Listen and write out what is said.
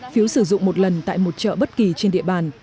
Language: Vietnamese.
phiếu sử dụng một lần tại một chợ bất kỳ trên địa bàn